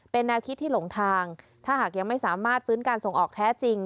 เป็นแนวคิดที่หลงทางถ้าหากยังไม่สามารถฟื้นการส่งออกแท้จริง